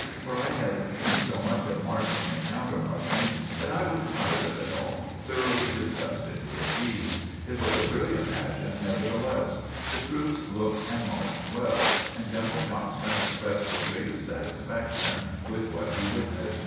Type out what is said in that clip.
For I had seen so much of marching and countermarching that I was tired of it all thoroughly disgusted indeed. It was a brilliant pageant, nevertheless. The troops looked and marched well, and General Johnston expressed the greatest satisfaction with what he witnessed.